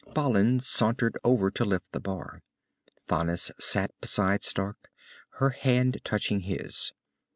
Balin sauntered over to lift the bar. Thanis sat beside Stark, her hand touching his.